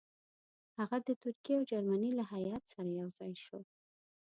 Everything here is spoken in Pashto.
هغه د ترکیې او جرمني له هیات سره یو ځای شو.